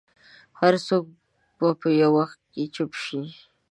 هر څوک به یو وخت چوپ شي.